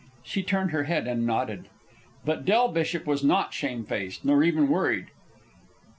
She turned her head and nodded. But Del Bishop was not shamefaced, nor even worried.